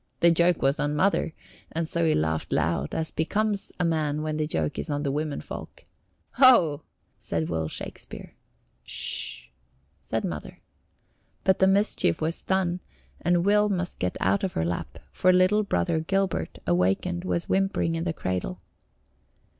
The joke was on Mother, and so he laughed loud, as becomes a man when the joke is on the women folk. "Ho!" said Will Shakespeare. "Sh h h!" said Mother. But the mischief was done and Will must get out of her lap, for little Brother Gilbert, awakened, was whimpering in the cradle.